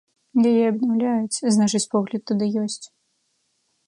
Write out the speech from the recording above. Яе абнаўляюць, значыць погляд туды ёсць.